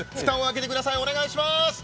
蓋を開けてください、お願いします。